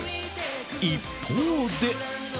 一方で。